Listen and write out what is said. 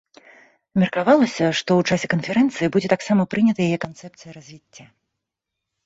Меркавалася, што ў часе канферэнцыі будзе таксама прынята яе канцэпцыя развіцця.